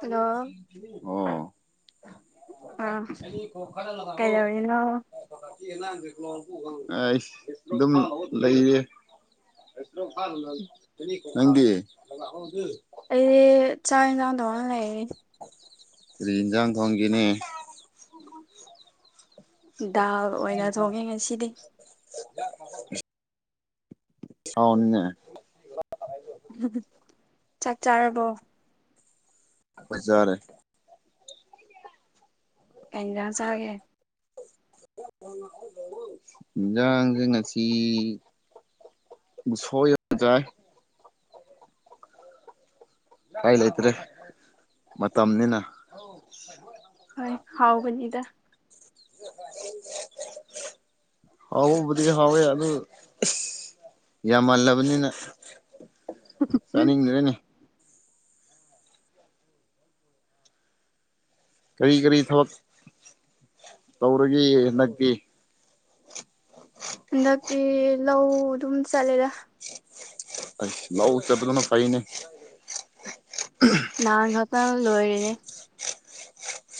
hello ꯑ ꯀꯩꯗꯧꯅꯤꯅꯣ ꯑꯩ ꯑꯗꯨꯝ ꯂꯩꯔ ꯅꯪꯒꯤ ꯑꯩꯗꯤ ꯆꯥꯛ ꯌꯦꯟꯖꯥꯡ ꯊꯧꯉꯅ ꯂꯩꯔꯅꯤ ꯁꯤ ꯌꯦꯟꯁꯥꯡ ꯊꯣꯡꯒꯤꯅꯦ ꯗꯥꯜ ꯑꯣꯏꯅ ꯊꯣꯡꯉꯦ ꯉꯁꯤꯗꯤ ꯍꯅꯦ ꯎ ꯆꯥꯛ ꯆꯥꯔꯕꯣ ꯍꯖꯥꯔꯦ ꯀꯩꯅꯖꯥꯡꯁꯒꯦ ꯏꯖꯥꯡꯁꯤꯡ ꯉꯁꯤ ꯁꯣꯏ ꯌꯥ ꯆꯥꯏ ꯀꯔꯤ ꯂꯩꯇ꯭ꯔꯦ ꯃꯇꯝꯅꯤꯅ ꯍꯣꯏ ꯍꯥꯎ ꯅꯤꯗ [inaudible] ꯍꯥꯎꯕꯨꯗꯤ ꯍꯥꯎꯋꯦ ꯑꯗꯨ ꯌꯥꯝꯃꯜꯂꯕꯅꯤꯅ ꯎꯝ ꯆꯅꯤꯅꯤꯔꯦꯅꯦ ꯀꯔꯤ ꯀꯔꯤ ꯊꯕꯛ ꯇꯧꯔꯒꯦ ꯍꯟꯗꯛꯀꯤ ꯍꯟꯗꯛꯇꯤ ꯂꯧ ꯑꯗꯨꯝ ꯆꯂꯂ ꯑ ꯂꯎ ꯆꯕ ꯂꯅ ꯄꯥꯏꯅꯦ ꯅꯅꯥ ꯏꯍꯇ ꯂꯣꯏꯔꯤꯅꯦ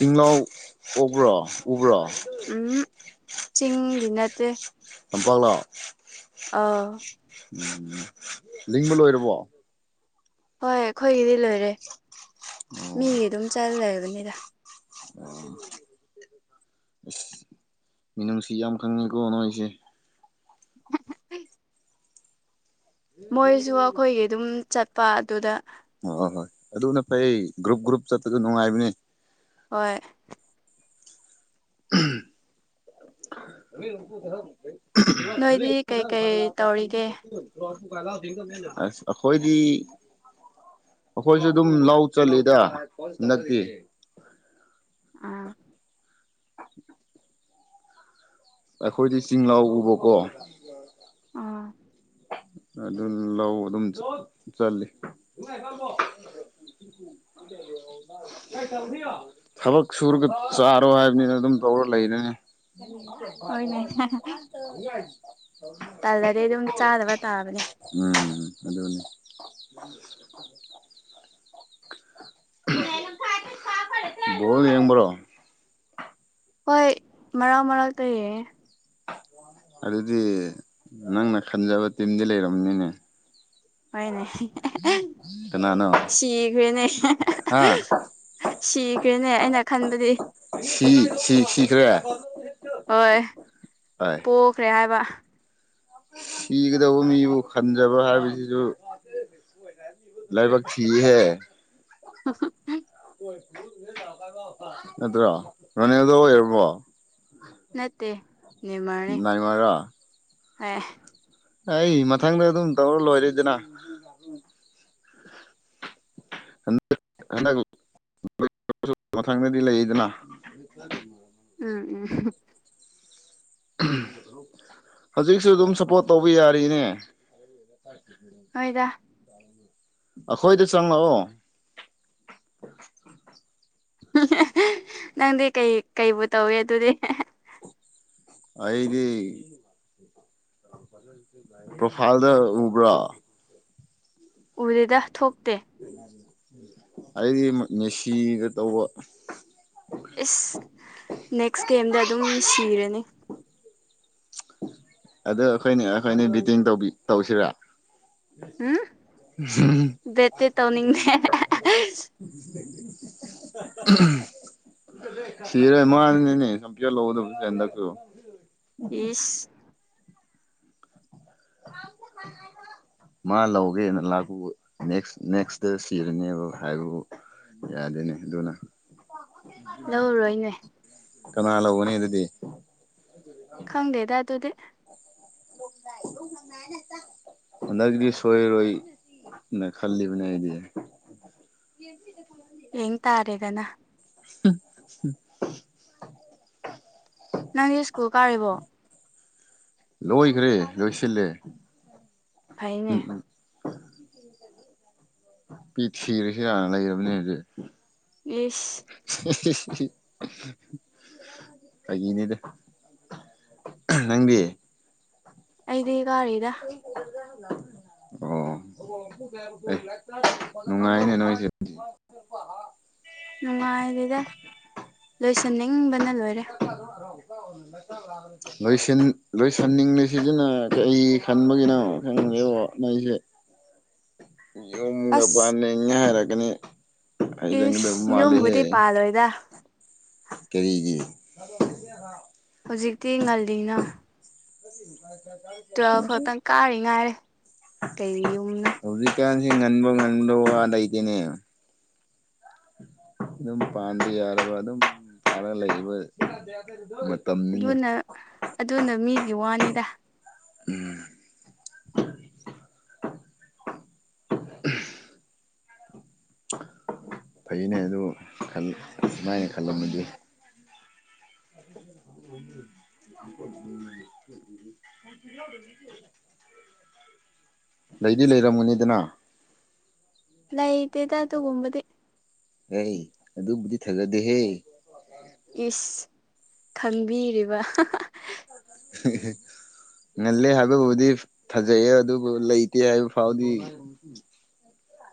ꯏꯅꯥꯎ ꯎꯕ꯭ꯔꯣ ꯎꯕ꯭ꯔꯣ ꯎꯝ ꯆꯤꯡꯗꯤ ꯅꯠꯇꯦ ꯕꯥ ꯑꯥ ꯎꯝ ꯂꯤꯡꯕ ꯂꯣꯏꯔꯕꯣ ꯍꯣꯏ ꯑꯩꯈꯣꯏꯒꯤꯗꯤ ꯂꯣꯏꯔꯦ ꯃꯤꯒꯤ ꯑꯗꯨꯝ ꯆꯥ ꯂꯩꯔꯕꯅꯤꯗ ꯑ ꯑꯁ ꯃꯤꯅꯨꯡꯁꯤ ꯌꯥꯝ ꯈꯪꯉꯤꯀꯣ ꯅꯣꯏꯁꯦ [inaudible] ꯃꯣꯏꯁꯨ ꯑꯩꯈꯣꯏꯒꯤ ꯑꯗꯨꯝ ꯆꯠꯄ ꯑꯗꯨꯗ ꯍꯣꯏ ꯍꯣꯏ ꯍꯣꯏ ꯑꯗꯨ ꯅ ꯐꯩ ꯒ꯭ꯔꯨꯞ ꯒ꯭ꯔꯨꯞ ꯆꯠꯄꯁꯨ ꯅꯨꯡꯉꯥꯏꯕꯅꯦ ꯍꯣꯏ ꯎꯝ ꯅꯣꯏꯗꯤ ꯂꯂꯦꯝꯔꯄꯣꯗ ꯀꯩꯀꯩ ꯂꯄꯣꯗ ꯕꯥꯗꯂꯊꯊ ꯇꯧꯔꯤꯒꯦ ꯈꯣꯏꯗꯤ ꯑꯩꯈꯣꯏꯁꯨ ꯑꯗꯨꯝ ꯂꯎ ꯆꯠꯂꯤꯗ ꯍꯟꯗꯛꯇꯤ ꯑꯥ ꯑꯩꯈꯣꯏꯗꯤ ꯆꯤꯡꯂꯥꯎ ꯎꯕꯀꯣ ꯑꯥ ꯑꯗꯨ ꯂꯧ ꯑꯗꯨꯝ ꯆꯜꯂꯤ ꯍꯒ ꯀꯣ ꯊꯕꯛ ꯁꯨꯔꯒ ꯆꯥꯔꯣ ꯍꯥꯏꯕꯅꯤꯅ ꯑꯗꯨꯝ ꯇꯧꯔ ꯂꯩꯔꯅꯤ ꯎꯝꯦ ꯍꯣꯏꯅꯦ [inaudible] ꯇꯜꯂꯗꯤ ꯑꯗꯨꯝ ꯆꯥꯗꯕ ꯇꯥꯕꯅꯦ ꯎꯝ ꯑꯗꯨꯅꯤ ꯣ ꯌꯦꯝꯕ꯭ꯔꯣ ꯍꯣꯏ ꯃꯔꯥꯎ ꯃꯔꯥꯛ ꯇꯧꯌꯦ ꯑꯗꯨꯗꯤ ꯅꯪꯅ ꯈꯟꯖꯕ ꯇꯤꯝꯗꯤ ꯂꯩꯔꯝꯅꯤꯅꯦ ꯍꯣꯏꯅꯦ ꯀꯅꯥꯅꯣ ꯁꯤꯈ꯭ꯔꯦꯅꯦ ꯍꯥ ꯁꯤꯈ꯭ꯔꯦꯅꯦ ꯑꯩꯅ ꯈꯟꯕꯗꯤ ꯁꯤ ꯁꯤ ꯁꯤꯈ꯭ꯔꯦ ꯍꯣꯏ ꯍ ꯄꯣꯛꯈ꯭ꯔꯦ ꯍꯥꯏꯕ ꯁꯤꯒꯗꯧꯕ ꯃꯤꯕꯨ ꯈꯟꯖꯕ ꯍꯥꯏꯕꯁꯤꯁꯨ ꯂꯒꯕꯒ ꯊ ꯍ ꯍ ꯅꯠꯇ꯭ꯔꯣ ꯔꯅꯤꯗ ꯑꯣꯏꯔꯕꯣ ꯅꯠꯇꯦ ꯅꯦꯃꯔꯅꯤ ꯅꯥꯏꯃꯔꯣ ꯍꯣꯏ ꯑꯩ ꯃꯊꯪꯗ ꯑꯗꯨꯝ ꯇꯧꯔ ꯂꯣꯏꯔꯦꯗꯅ ꯎꯝ ꯍꯟꯗꯛ ꯍꯟꯗꯛ ꯃꯊꯪꯗꯗꯤ ꯂꯩꯗꯅ ꯎꯝ ꯎꯝ ꯍꯧꯖꯤꯛꯁꯨ ꯑꯗꯨꯝ ꯁꯞꯄꯣꯔꯠ ꯇꯧꯕ ꯌꯥꯔꯤꯅꯦ ꯊꯦ ꯎ ꯑꯣꯏꯣꯏꯗ ꯑꯩꯈꯣꯏꯗ ꯆꯪꯉꯛꯑꯣ ꯅꯪꯗꯤ ꯀꯩ ꯀꯨ ꯇꯧꯏ ꯑꯗꯨꯗꯤ ꯑꯩꯗꯤ ꯄ꯭ꯔꯣꯐꯥꯏꯜꯗ ꯎꯕ꯭ꯔꯥ ꯎꯗꯦꯗ ꯊꯣꯛꯇꯦ ꯑꯩꯗꯤ ꯃꯦꯁꯤꯗ ꯇꯧꯕ ꯑꯦꯁ ꯅꯦꯛꯁ ꯒꯦꯝꯗ ꯑꯗꯨꯝ ꯁꯤꯔꯅꯤ ꯑꯗꯨ ꯑꯩꯈꯣꯏꯅꯦ ꯑꯩꯈꯣꯏꯅꯦ ꯕꯤꯇꯤꯡꯧꯕ ꯇꯧꯁꯤꯔꯥ ꯎꯝ ꯎꯝ ꯕꯦꯠꯇꯤ ꯇꯧꯅꯤꯡꯗꯦ ꯎꯝ ꯁꯤꯔ ꯃꯥꯅꯅꯤꯅꯦ ꯁꯝ ꯂꯧꯗꯕꯟꯗꯁꯨ ꯏꯁ [inaudible] ꯃꯥ ꯂꯧꯒꯦꯅ ꯂꯥꯛꯄ ꯅꯦꯛꯁ ꯅꯦꯛꯁꯇ ꯁꯤꯔꯅꯦꯕ ꯍꯥꯏꯕꯕꯨ ꯌꯥꯗꯦꯅꯦ ꯑꯗꯨꯅ ꯂꯧꯔꯣꯏꯅꯦ ꯀꯅꯥ ꯂꯧꯒꯅꯤ ꯑꯗꯨꯗꯤ ꯈꯪꯗꯦꯗ ꯑꯗꯨꯗꯤ ꯂꯣ ꯂ ꯉꯉꯅ [unintelligible] ꯍꯟꯗꯛꯗꯤ ꯁꯣꯏꯔꯣꯏꯅ ꯈꯜꯂꯤꯕꯅꯦ ꯑꯩꯗꯤ ꯌꯦ ꯊ [unintelligible] ꯌꯦꯡ ꯇꯥꯔꯦꯗꯅ ꯎꯝꯝ ꯅꯪꯗꯤ ꯁ꯭ꯀꯨꯜ ꯀꯥꯔꯤꯕꯣ ꯂꯣꯏꯈ꯭ꯔꯦ ꯂꯣꯏꯁꯤꯜꯂꯦ ꯐꯩꯅꯦ ꯅꯨꯄꯤ ꯄꯤ ꯊꯤꯔꯁꯨ ꯍꯅ ꯂꯩꯔꯕꯅꯦꯗꯤ ꯏꯁ [inaudible] ꯑꯩꯅꯦꯗ ꯅꯪꯗꯤ ꯑꯩꯗꯤ ꯀꯔꯔꯤꯗ ꯑꯣ ꯅꯨꯡꯉꯥꯏꯅꯦ ꯅꯣꯏꯁꯦ ꯅꯨꯡꯉꯥꯏꯗ‍ꯦꯗ ꯂꯣꯏꯁꯟꯅꯤꯡꯕꯅ ꯂꯣꯏꯔꯦ ꯂꯣꯏꯁꯟꯂꫭꯏꯁꯟ ꯁꯤꯁꯤꯅ ꯀꯔꯤ ꯈꯟꯕꯒꯤꯅꯣ ꯈꯪꯒꯦꯗꯕꫭ ꯅꯥꯏꯁꯦ ꯌꯨꯝꯒ ꯑꯁ ꯄꯥꯟꯅꯤꯡꯉ‌ꯦ ꯍꯥꯏꯔꯛ ꯀꯅꯤ ꯍꯥꯏꯖꯟꯒꯗꯕ ꯃꯥꯜꯂꯤꯍ‌ꯦ ꯈꯜꯂꫭꯏꯗ ꯀꯔꯤꯒꯤ ꯍ [unintelligible] ꯍꯧꯖꯤꯛꯇꯤ ꯉꯜꯂꯤꯅ ꯥꯏ [unintelligible] ꯇꯨꯋꯦꯜꯐ ꯈꯛꯇꯪ ꯀꯥꯔꯤ ꯉꯥꯏꯔꯦ ꯀꯩ ꯌꯨꯝꯅꫭ ꯀꯥꯟꯁꯤ ꯉꯟꯕꯣꯡꯥ ꯉꯟꯕ ꯋꯥ ꯂꯩꯇꯅꯦ ꯑꯗꯨꯝ ꯄꯥꯟ ꯌꯥꯒ ꯑꯗꯨꯝ ꯐꯔ ꯂꯩꯕ ꯃꯇꯝꯅꯤꯅꯦ ꯑꯗꯨꯅ ꯑꯗꯨꯅ ꯃꯤꯒꯤ ꯋꯥꯅꯤꯗ ꯎꯝ ꯐꯩꯅꯦ ꯑꯗꯨ ꯈꯟ ꯑꯗꯨꯃꯥꯏꯅ ꯈꯜꯂꯝꯃꯗꯤ ꯎꯝꯄꯠ [unintelligible] ꯎꯝ [unintelligible] ꯂꯩꯗꯤ ꯂꯩꯔꯝ ꯒꯅꯤꯗꯅ ꯂꯩꯇ‌ꯦꯗ ꯑꯗꯨꯒꯨꯝꯕꯗꯤ ꯀꯔꯤ ꯑꯗꯨꯕꯨꯗꯤ ꯐꯖꯗꯦꯍꯦ ꯏꯁ ꯈꯟꯕꯤꯔꯤꯕ [unintelligible] ꯉꯜꯂꯦ ꯍꯥꯏꯕꯕꯨꯗꯤ ꯐꯥꯖꯩꯌꯦ ꯑꯗꯨꯕꯨ ꯂꯩꯇꯦ ꯍꯥꯏꯕ ꯐꯥꯎꯗꯤ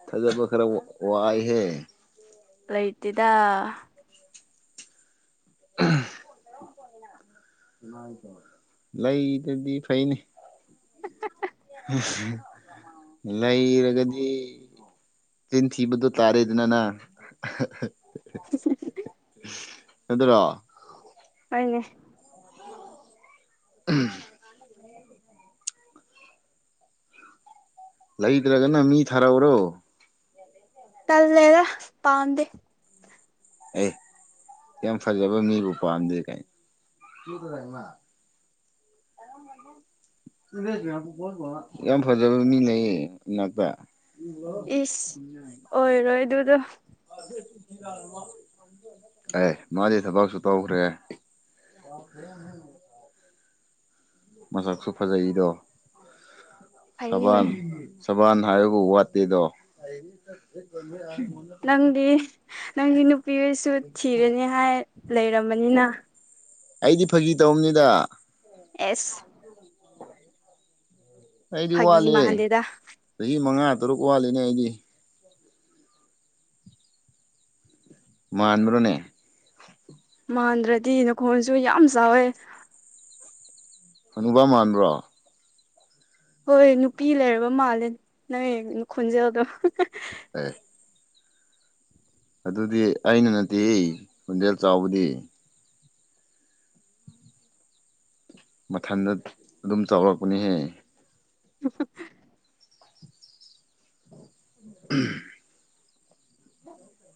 ꯊꯥꯖꯕ ꯈꯔ ꯋꯥꯏꯍꯦ ꯂꯩꯇ‌ꯦꯗ ꯂꯩꯗꯗꯤ ꯐꯩꯅꯦ [unintelligible] ꯂꯩꯔꯒꯗꯤ ꯆꯤꯟ ꯊꯕꯣ ꯇꯥꯔꯦꯗꯗꯅꯥ ꯎ [unintelligible] ꯑꯗꯨꯔꯣ ꯍꫭꯏꯅꯦ ꯎꯝ ꯂꯩꯇ꯭ꯔꯒꯅ ꯃꯤ ꯊꯥꯔꯎꯔꯣ ꯇꯜꯂꯗ ꯄꯥꯝꯗ‌ꯦ ꯑꯦ ꯌꯥꯝ ꯐꯖꯕ ꯃꯤꯕꯨ ꯄꯥꯝꯗꯦ ꯀꯥꯏꯅ ꯑꯔ ꯃ ꯌꯥꯝ ꯐꯖꯕ ꯃꯤꯅꯌꯦ ꯏꯅꯥꯛꯇ ꯏꯁ ꯑꯣꯏꯔꯣꯏ ꯑꯗꯨꯗꯣ ꯑ ꯑꯦ ꯃꯥꯗꯤꯦ ꯊꯕꯥꯥꯎꯁꯨ ꯇꯥꯎꯈ꯭ꯔꯦ ꯃꯆꯥꯁꯨ ꯐꯖꯩꯔꯣ ꯐꯩꯅꯦ ꯁꯕꯥꯟ ꯁꯕꯥꯟ ꯍꯥꯏꯔ‌ꯦꯕꯨ ꯋꯥꯠꯇꯦꯗꯣ ꯅꯪꯗꯤ ꯅꯪꯗꯤ ꯅꯨꯄꯤꯁꯨ ꯊꯤꯔꯅꯤ ꯍꯥꯏ ꯂꯩꯔꯝꯕꯅꯤꯅ ꯑꯩꯗꯤ ꯐꯥꯒꯤ ꯇꯧꯅꯤꯗ ꯑꯦꯁ ꯑꯩꯗꯤ ꯐꯥꯒꯤ ꯋꯥꯠꯂꯤ ꯃꯥꯟꯗꯦꯗ ꯆꯍꯤ ꯃꯉꯥ ꯇꯔꯨꯛ ꯋꯥꯠꯂꯤꯅꯦ ꯑꯩꯗꯤ ꯃꯥꯟꯕ꯭ꯔꯅꯦ ꯃꯥꯟꯗ꯭ꯔꯗꯤ ꯅꯈꯣꯟꯁꯨ ꯌꯥꯝ ꯆꯥꯎꯋꯦ ꯀꯅꯕ ꯃꯥꯟꯕ꯭ꯔꯣ ꯍꯣꯏ ꯅꯨꯄꯤ ꯂꯩꯔꯕ ꯃꯥꯜꯂꯦ ꯅꯪ ꯈꯣꯟꯖꯦꯜꯗꯣ ꯎ ꯑꯗꯨꯗꯤ ꯑꯩꯅ ꯅꯠꯇꯦ ꯍꯣꯟꯖꯦꯜ ꯆꯥꯎꯕꯗꯤ ꯃꯊꯟꯗ ꯑꯗꯨꯝ ꯆꯥꯎꯔꯛꯄꯅꯦꯍꯦ [inaudible] ꯎꯝ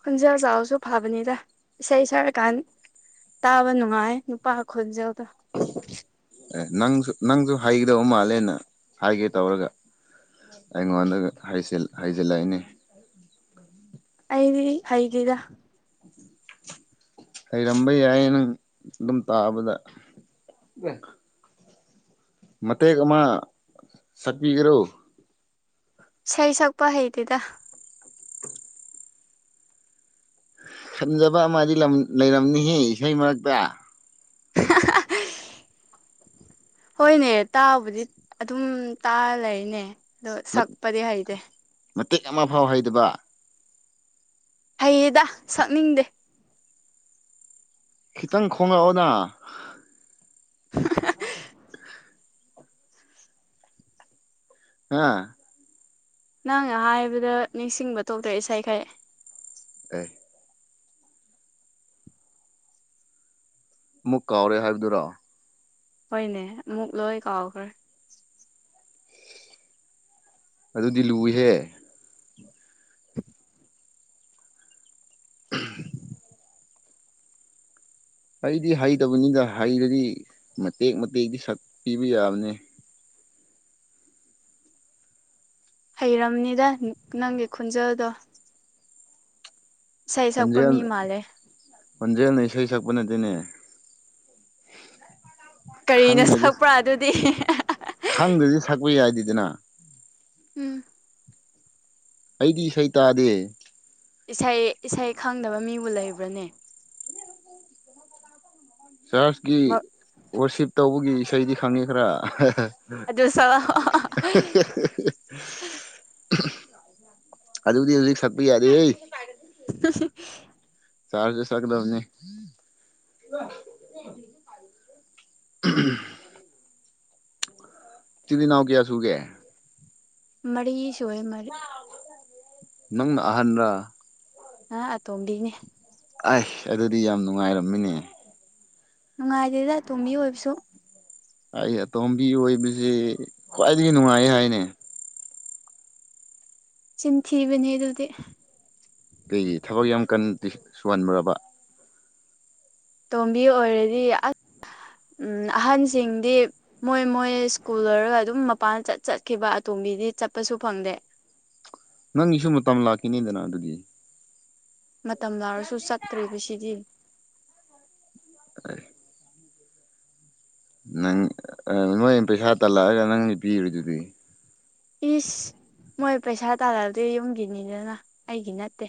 ꯈꯣꯟꯖꯦꯜ ꯆꯥꯎꯁꯨ ꯐꯕꯅꯤꯗ ꯏꯁꯩ ꯁꯛꯔꯀꯥꯟ ꯇꯥꯕ ꯅꯨꯡꯉꯥꯏ ꯅꯨꯄꯥ ꯈꯣꯟꯖꯦꯜꯗ ꯑꯦ ꯅꯪꯁꯨ ꯅꯪꯁꯨ ꯍꯩꯒꯗꯧꯕ ꯃꯥꯜꯂꯦꯅ ꯍꯥꯏꯒꯦ ꯇꯧꯔꯒ ꯑꯩꯉꯣꯟꯗ ꯍꯩꯖꯤꯜꯂꯛꯏꯅꯤ ꯑꯩꯗꯤ ꯍꯩꯒꯗ ꯍꯩꯔꯝꯕ ꯌꯥꯏꯌꯦ ꯅꯪ ꯑꯗꯨꯝ ꯇꯥꯕꯗ ꯃꯇꯦꯛ ꯑꯃ ꯁꯛꯄꯤꯒꯔꯣ ꯁꯩ ꯁꯄ ꯍꯩꯇꯗ ꯈꯟꯖꯕ ꯑꯃꯗꯤ ꯂꯩꯔꯝꯅꯤꯍ ꯏꯁꯩ ꯃꯔꯛꯇ ꯑ ꯍꯣꯏꯅꯦ ꯇꯥꯕꯨꯗꯤ ꯑꯗꯨꯝ ꯇꯥ ꯂꯩꯅꯦ ꯑꯗꯣ ꯁꯛꯄꯗꯤ ꯍꯩꯇꯦ ꯃꯇꯦꯛ ꯑꯃ ꯐꯥꯎ ꯍꯩꯗꯕ ꯍꯌꯦꯗ ꯁꯛꯅꯤꯡꯗꯦ ꯈꯤꯇꯪ ꯈꯣꯉꯛꯑꯣꯅ ꯑꯣ ꯍꯥꯥ ꯅꯪꯅ ꯍꯥꯏꯕꯗ ꯅꯤꯡꯁꯤꯡꯕ ꯊꯣꯛꯇ꯭ꯔ ꯏꯁꯈꯥꯏ ꯑꯦ ꯃꯨꯛ ꯀꯥꯎꯔꯦ ꯍꯥꯏꯕꯗꯨꯔꯣ ꯍꯣꯏꯅꯦ ꯑꯃꯨꯛ ꯂꯣꯏ ꯀꯥꯎꯈ꯭ꯔꯦ ꯑꯗꯨꯗꯤ ꯂꯨꯏꯍꯦ [inaudible] ꯎ ꯑꯩꯗꯤ ꯍꯩꯇꯕꯅꯤꯅ ꯍꯩꯔꯗꯤ ꯃꯇꯦꯛ ꯃꯇꯦꯛꯛꯇ ꯁꯛꯄꯤꯕ ꯌꯥꯕꯅꯤ ꯍꯩꯔꯕꯅꯤꯗ ꯅꯪꯒꯤ ꯈꯨꯣꯟꯖꯥꯗꯣ ꯁꯛꯄ ꯃꯤ ꯍꯧꯖꯦ ꯃꯥꯜꯂꯦ ꯃꯖꯦꯜꯅ ꯏꯁꯩꯩ ꯁꯛꯄꯅꯦ ꯇꯅꯦ ꯀꯔꯤꯅꯣ ꯁꯛꯄ꯭ꯔꯥ ꯑꯗꯨꯗꯤ ꯊꯛꯄ ꯌꯥꯏꯗꯗꯅ ꯎꯝ ꯑꯩꯗꯤ ꯏꯁꯩ ꯇꯥꯗꯦ ꯏꯁꯩ ꯏꯁꯩ ꯈꯪꯗꯕ ꯃꯤꯕꯨ ꯂꯩꯕ꯭ꯔꯅꯦ ꯆꯥꯔꯆꯀꯤ ꯔꯁꯤꯞ ꯇꯧꯕꯒꯤ ꯏꯁꯩꯗꯤ ꯈꯪꯉꯦ ꯈꯔ ꯑꯗꯨ ꯁꯛꯂꯛꯑꯣ [inaudible] ꯑꯗꯨꯗꯤ ꯍꯧꯖꯤꯛ ꯁꯠꯄ ꯌꯥꯗꯦ ꯍ [unintelligible] ꯆꯥꯖꯁꯗꯕꯅꯤ ꯎꯝ ꯄꯤꯗꯤꯅꯅꯥꯎ ꯀꯌꯥ ꯁꯨꯒꯦ ꯃꯔꯤꯁꯣꯑ ꯃꯔꯔꯤ ꯅꯪ ꯑꯍꯟ꯭ꯔ ꯑ ꯑꯇꯣꯝꯕꯤꯅꯦ ꯑꯩ ꯑꯗꯨꯗꯤ ꯌꯥꯝ ꯅꯨꯡꯉꯥꯏꯔꯝꯃꯤꯅꯦ ꯅꯨꯡꯉꯥꯏꯗꯦꯗ ꯇꯣꯝꯕꯤ ꯑꯣꯏꯕꯁꯨ ꯑꯩ ꯑꯇꯣꯝꯕꯤ ꯑꯣꯏꯕꯁꯤ ꯈ꯭ꯋꯥꯏꯗꯒꯤ ꯅꯨꯡꯉꯥꯏ ꯍꯥꯏꯅꯦ ꯆꯤꯟꯊꯤꯔꯤꯕꯅꯦ ꯑꯗꯨꯗꯤ ꯀꯩꯒꯤ ꯊꯕꯛ ꯌꯥꯝ ꯀꯟꯗꯤ ꯁꯨꯍꯟꯕꯨꯕ ꯇꯣꯝꯕꯤ ꯑꯣꯏꯔꯗꯤ ꯑ ꯑꯍꯟꯁꯤꯡꯗꯤ ꯃꯣꯏ ꯃꯣꯏ ꯁ꯭ꯀꯨꯜ ꯑꯣꯏꯣꯏꯔꯒ ꯑꯗꯨꯝ ꯃꯄꯥꯟ ꯆꯠ ꯆꯠꯈꯤꯕ ꯑꯇꯣꯝꯕꯤꯗꯤ ꯆꯠꯄꯁꯨ ꯐꯪꯗꯦ ꯅꯪꯒꯤꯁꯨ ꯃꯇꯝ ꯂꯥꯛꯈꯤꯅꯤꯗꯅ ꯑꯗꯨꯒꯤ ꯃꯇꯝ ꯂꯥꯔꯁꯨ ꯆꯠꯇ꯭ꯔꯤꯕꯁꯤꯗꯤ [inaudible] ꯅꯪ ꯅꯣꯏ ꯄꯩꯁꯥ ꯇꯜꯂꯛꯑꯒ ꯅꯪꯗꯤ ꯄꯤꯔꯤꯗꯨꯗꯤ ꯏꯁ ꯃꯣꯏ ꯄꯩꯁꯥ ꯇꯥꯔꯛꯂꯗꯤ ꯌꯨꯝꯒꯤꯅꯤꯗꯅ ꯑꯩꯒꯤ ꯅꯠꯇꯦ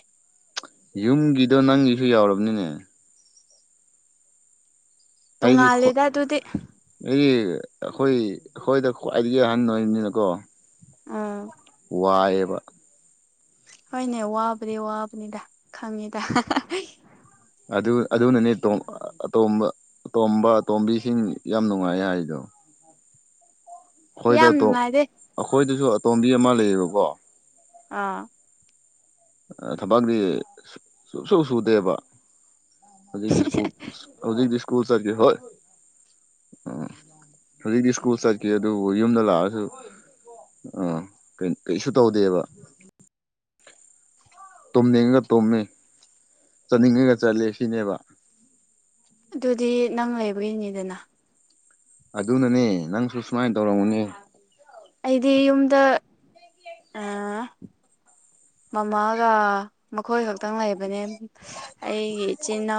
ꯌꯨꯝꯒꯤꯗꯣ ꯅꯪꯒꯤꯁꯨ ꯌꯥꯎꯔꯕꯅꯤꯅꯦ ꯑꯩꯗꯤ ꯍꯣ ꯇꯣꯡꯉꯥꯜꯂꯦꯗ ꯑꯗꯨꯗꯤ ꯑꯩꯗꯤ ꯑꯩꯈꯣꯏ ꯑꯩꯈꯣꯏꯗ ꯈ꯭ꯋꯥꯏꯗꯒꯤ ꯑꯍꯟ ꯑꯣꯏꯕꯅꯤꯅꯀꯣ ꯑꯥ ꯋꯥꯏꯌꯦꯕ ꯍꯣꯏꯅꯦ ꯋꯥꯕꯗꯤ ꯋꯥꯕꯅꯤꯗ ꯈꯪꯉꯤꯗ ꯑꯗꯨ ꯑꯗꯨꯅꯅꯦ ꯑꯇꯣꯝꯕ ꯑꯇꯣꯝꯕ ꯑꯇꯣꯝꯕꯤꯁꯤꯡ ꯌꯥꯝ ꯅꯨꯡꯉꯥꯏ ꯍꯥꯏꯗꯣ ꯑꯩꯈꯣꯏꯗ ꯌꯥꯝ ꯅꯨꯡꯉꯥꯏꯗꯦ ꯑꯩꯈꯣꯏꯗꯁꯨ ꯑꯇꯣꯝꯕꯤ ꯑꯃ ꯂꯩꯌꯦꯕꯀꯣ ꯑꯥ ꯊꯕꯛꯗꯤ ꯁꯨꯡꯁꯨ ꯁꯨꯗꯦꯕ ꯍꯧꯖꯤꯛꯗꯤꯁꯀꯨꯜ ꯍꯧꯖꯤꯛꯗꯤꯁꯀꯨꯜ ꯆꯔ ꯍꯣꯏ ꯑꯣꯝ ꯍꯧꯖꯤꯛꯇꯤ ꯁ꯭ꯀꯨꯜ ꯆꯠꯀꯦ ꯑꯗꯨꯕꯨ ꯌꯨꯝꯗ ꯂꯥꯛꯑꯁꯨ ꯑ ꯀ ꯀꯩꯁꯨ ꯇꯧꯗꯦꯕ ꯇꯨꯝꯅꯤꯡꯉꯒ ꯇꯨꯝꯃꯦ ꯆꯠꯅꯤꯡꯉꯒ ꯆꯠꯂꯦ ꯁꯤꯅꯦꯕ ꯑꯗꯨꯗꯤ ꯅꯪ ꯂꯩꯕꯒꯤꯅꯤꯗꯅ ꯑꯗꯨꯅꯅꯦ ꯅꯪꯁꯨ ꯁꯨꯃꯥꯏꯅ ꯇꯧꯔꯝꯃꯅꯦ ꯑꯩꯗꯤ ꯌꯨꯝꯗ ꯑ ꯃꯃꯥꯒ ꯃꯈꯣꯏ ꯈꯛꯇꯪ ꯂꯩꯕꯅꯦ ꯑꯩꯒꯤ ꯏꯆꯤꯟꯜ ꯏꯅꯥꯎ